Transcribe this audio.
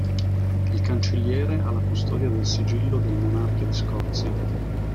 Il Cancelliere ha la custodia del sigillo del monarca di Scozia.